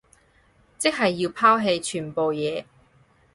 即係要拋棄全部嘢